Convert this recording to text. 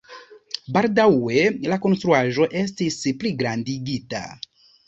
Baldaŭe la konstruaĵo estis pligrandigita.